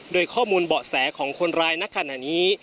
โดยข้อมูลเบาะแสของคนร้ายณขณะนี้